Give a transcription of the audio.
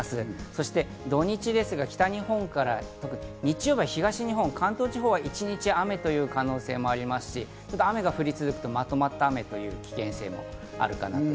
そして、土日、北日本から日曜日は東日本、関東地方まで一日雨の可能性がありますし、雨が降り続くとまとまった雨の危険性があるかなと。